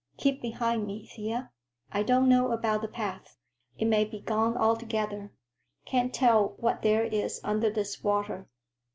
"Keep behind me, Thea. I don't know about the path. It may be gone altogether. Can't tell what there is under this water."